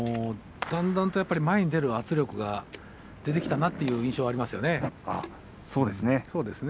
前に出る圧力が出てきたなという印象は、ありますね。